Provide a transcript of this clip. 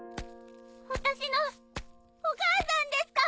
私のお母さんですか！？